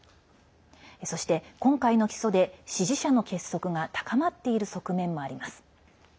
そして今回の起訴で支持者の結束が高まっている側面もあります。